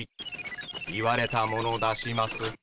言われたもの出します。